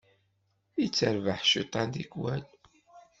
Yetterbaḥ cciṭan tikwal.